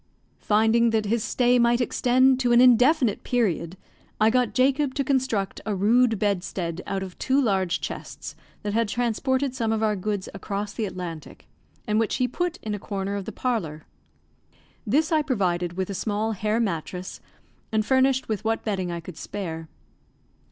Finding that his stay might extend to an indefinite period, I got Jacob to construct a rude bedstead out of two large chests that had transported some of our goods across the Atlantic, and which he put in a corner of the parlour. This I provided with a small hair mattress, and furnished with what bedding I could spare.